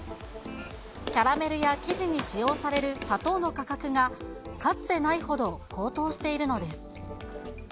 キャラメルや生地に使用される砂糖の価格が、かつてないほど高騰しているのです。